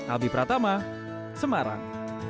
alby pratama semarang